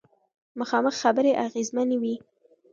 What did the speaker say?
مخامخ خبرې اغیزمنې وي.